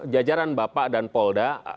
jajaran bapak dan polda